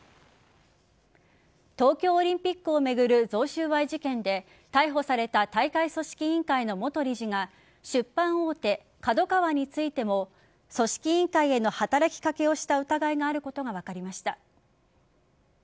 東京オリンピックを巡る贈収賄事件で逮捕された大会組織委員会の元理事が出版大手ＫＡＤＯＫＡＷＡについても組織委員会への働きかけをした疑いがあることが分かりました。